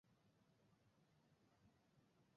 কোন ঘটনা ছাড়াই অনুষ্ঠানটি শেষ হয়।